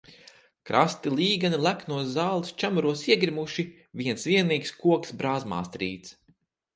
Krasti līgani leknos zāles čemuros iegrimuši, viens vienīgs koks brāzmās trīc.